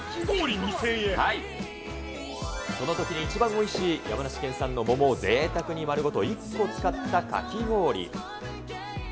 そのとき一番おいしい山梨県産の桃をぜいたくにまるごと１個使ったかき氷。